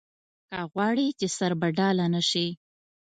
که غواړې چې سربډاله نه شې.